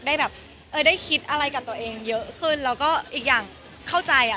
ได้แบบเออได้คิดอะไรกับตัวเองเยอะขึ้นแล้วก็อีกอย่างเข้าใจอ่ะ